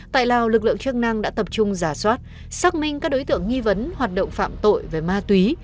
tại lào lực lượng chức năng đã tập trung giả soát xác minh các đối tượng nghi vấn hoạt động phạm tội về ma túy